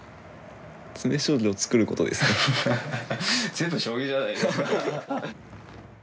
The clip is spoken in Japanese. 全部将棋じゃないですか。